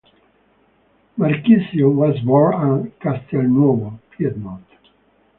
Marchisio was born at Castelnuovo, Piedmont.